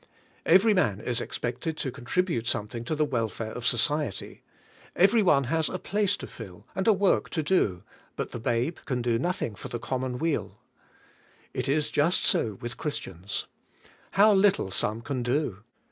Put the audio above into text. Every man is expected to contribute something to the welfare of society; every one has a place to fill and a work to do, but the babe can do nothing for the com mon weal. It is just so with Christians. How little some can do!